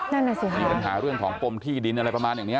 นั่นน่ะสิค่ะมีปัญหาเรื่องของปมที่ดินอะไรประมาณอย่างนี้